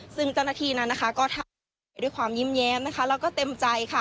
ซึ่งเจ้าหน้าที่นั้นก็ทำไปด้วยความยิ้มแย้มแล้วก็เต็มใจค่ะ